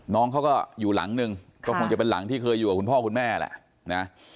น้องเขาก็อยู่หลังนึงก็คงจะเป็นหลังที่เคยอยู่กับคุณพ่อคุณแม่แหละนะ